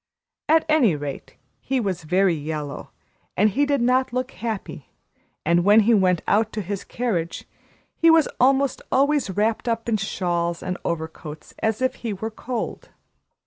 At any rate, he was very yellow and he did not look happy; and when he went out to his carriage, he was almost always wrapped up in shawls and overcoats, as if he were cold.